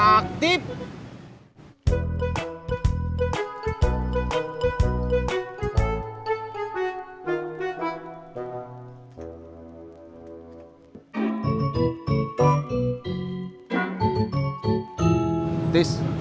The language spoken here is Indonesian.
gue nyek turn cada